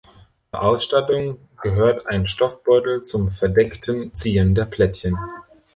Zur Ausstattung gehört ein Stoffbeutel zum verdeckten Ziehen der Plättchen.